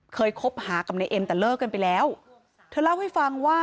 คบหากับนายเอ็มแต่เลิกกันไปแล้วเธอเล่าให้ฟังว่า